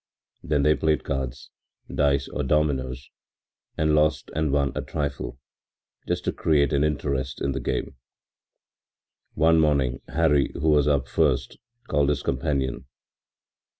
Then they played cards, dice or dominoes and lost and won a trifle, just to create an interest in the game. One morning Hari, who was up first, called his companion.